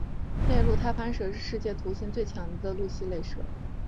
内陆太攀蛇是世界毒性最强的陆栖蛇类。